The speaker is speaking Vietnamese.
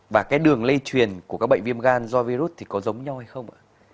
và đường lây truyền của các bệnh viêm gan do virus có giống nhau hay không